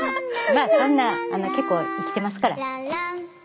まあそんなあの結構生きてますから。